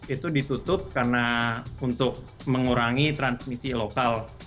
itu ditutup karena untuk mengurangi transmisi lokal